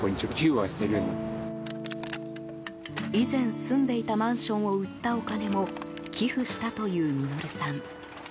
以前住んでいたマンションを売ったお金も寄付したというミノルさん。